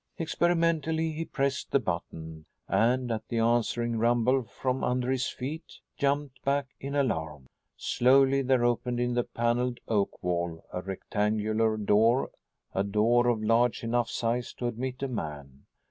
Experimentally he pressed the button, and, at the answering rumble from under his feet, jumped back in alarm. Slowly there opened in the paneled oak wall a rectangular door, a door of large enough size to admit a man.